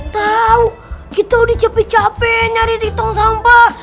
tau kita udah cape cape nyari di tong sampah